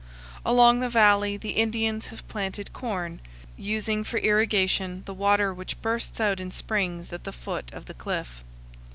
Along the valley the Indians have planted corn, using for irrigation the water which bursts out in springs at the foot of the cliff.